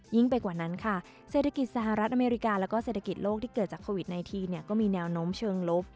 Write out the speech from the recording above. ไปกว่านั้นค่ะเศรษฐกิจสหรัฐอเมริกาแล้วก็เศรษฐกิจโลกที่เกิดจากโควิด๑๙ก็มีแนวโน้มเชิงลบ